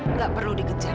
nggak perlu dikejar